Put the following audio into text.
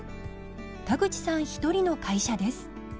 田口さん１人の会社です。